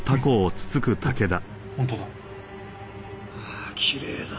ああきれいだ。